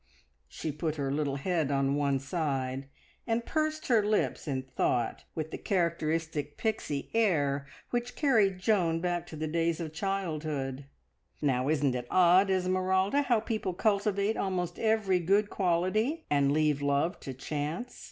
She put her little head on one side and pursed her lips in thought, with the characteristic Pixie air which carried Joan back to the days of childhood. "Now, isn't it odd, Esmeralda, how people cultivate almost every good quality, and leave love to chance?